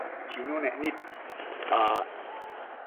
Chinunec nid